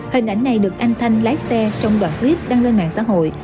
hình ảnh này được anh thanh lái xe trong đoạn clip đăng lên mạng xã hội